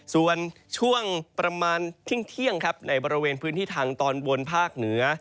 ส่วนช่วงประมาณเที่ยงครับในบริเวณพื้นที่ทางตอนบนภาคเหนือ